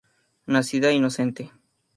Nacida inocente.